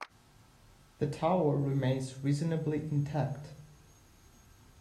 The tower remains reasonably intact.